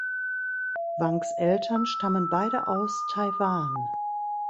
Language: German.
Wangs Eltern stammen beide aus Taiwan.